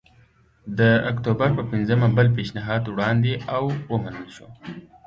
د اکتوبر په پنځمه بل پېشنهاد وړاندې او ومنل شو